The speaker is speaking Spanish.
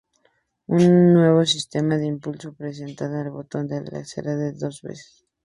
Un nuevo sistema de impulso presionando en el botón del acelerador dos veces.